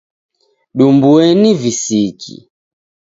Dumbueni visiki